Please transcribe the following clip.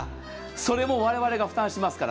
それも我々が負担しますから。